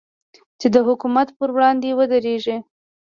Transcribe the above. چې د حکومت پر وړاندې ودرېږي.